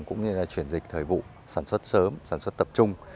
cũng như là chuyển dịch thời vụ sản xuất sớm sản xuất tập trung